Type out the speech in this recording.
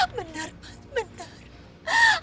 benar mas benar